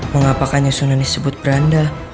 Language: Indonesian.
mengapakah nyusunan disebut beranda